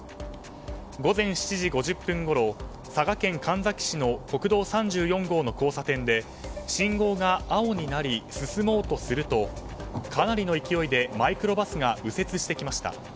午前７時５０分ごろ佐賀県神埼市の国道３４号の交差点で信号が青になり進もうとすると、かなりの勢いでマイクロバスが右折してきました。